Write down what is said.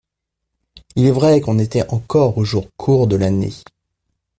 Il est vrai qu'on était encore aux jours courts de l'année.